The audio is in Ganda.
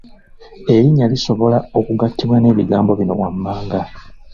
Erinnya lisobola okugattibwa n’ebigambo bino wammanga.